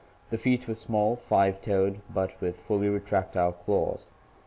The feet were small, five toed, but with fully retractile claws.